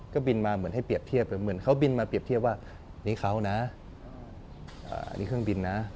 ก็บินมาเหมือนให้เปรียบเทียบเลยเหมือนเขาบินมาเรียบเทียบว่านี่เขานะอันนี้เครื่องบินนะ